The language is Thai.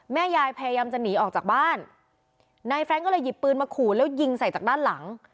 แม่ยายพยายามจะหนีออกจากบ้านนายแฟรงค์ก็เลยหยิบปืนมาขู่แล้วยิงใส่จากด้านหลัง